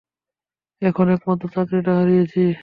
এখন একমাত্র চাকরিটা হারিয়েছি।